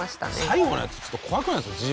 最後のやつちょっと怖くないですか？